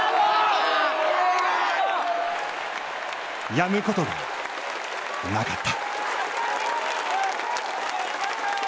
やむことがなかった。